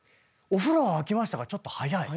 「お風呂が沸きました」がちょっと速い。